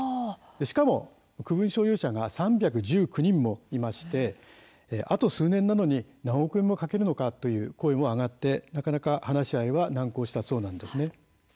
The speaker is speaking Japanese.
しかも区分所有者が３１９人もいましてあと数年なのに何億円もかけるのかという声もあってなかなか話し合いは難航したそうなんです。